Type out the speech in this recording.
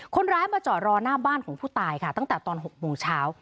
คนร้ายมาจอดรอหน้าบ้านของผู้ตายค่ะตั้งแต่ตอน๖โมงเช้า